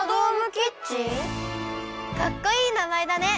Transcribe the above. かっこいいなまえだね！